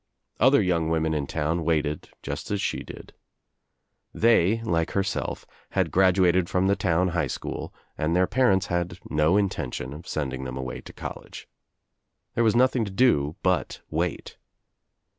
Other young women in town waited just as she did. They like herself had graduated from the town highschool and their parents had no intention of sending them away to college. There was nothing to do but wait.